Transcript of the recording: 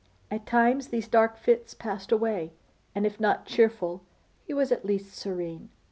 At times these dark fits passed away, and if not cheerful, he was at least serene.